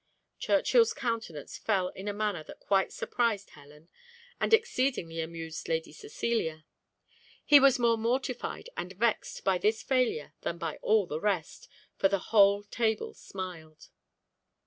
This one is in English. Churchill's countenance fell in a manner that quite surprised Helen, and exceedingly amused Lady Cecilia. He was more mortified and vexed by this failure than by all the rest, for the whole table smiled.